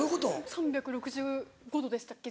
３６５度でしたっけ？